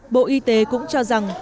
bộ y tế cũng cho rằng